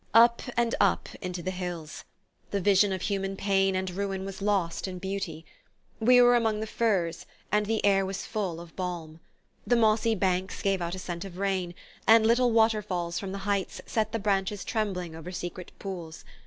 Up and up into the hills. The vision of human pain and ruin was lost in beauty. We were among the firs, and the air was full of balm. The mossy banks gave out a scent of rain, and little water falls from the heights set the branches trembling over secret pools.